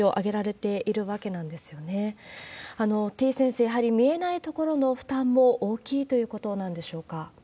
てぃ先生、やはり見えないところの負担も大きいということなんでしょうか？